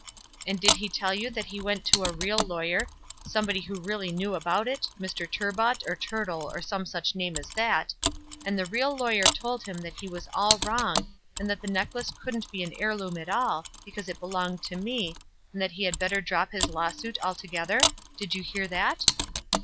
"And did he tell you that he went to a real lawyer, somebody who really knew about it, Mr. Turbot, or Turtle, or some such name as that, and the real lawyer told him that he was all wrong, and that the necklace couldn't be an heirloom at all, because it belonged to me, and that he had better drop his lawsuit altogether? Did you hear that?"